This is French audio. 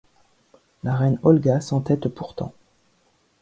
La reine Olga s’entête pourtant.